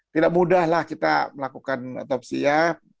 tidak mudahlah kita melakukan otopsi ya